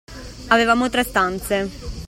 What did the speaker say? Avevamo tre stanze.